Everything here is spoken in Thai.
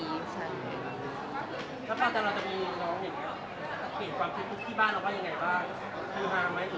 ถ้าปั่นตอนนั้นจะมีน้องเก่งความคิดทุกข์ที่บ้านแล้วว่าอย่างไรบ้างคือห่างไหม